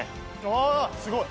ああすごい！